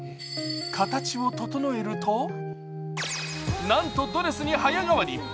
形を整えるとなんとドレスに早変わり。